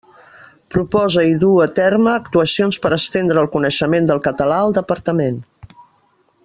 Proposa i duu a terme actuacions per estendre el coneixement del català al Departament.